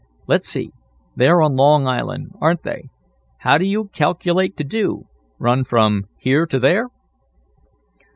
"Let's see; they're on Long Island; aren't they? How do you calculate to do; run from here to there?"